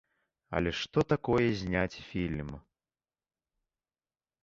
Але што такое зняць фільм?